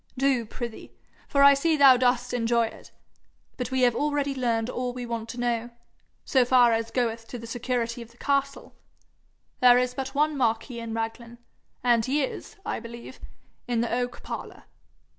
'Do, prithee, for I see thou dost enjoy it. But we have already learned all we want to know, so far as goeth to the security of the castle. There is but one marquis in Raglan, and he is, I believe, in the oak parlour.'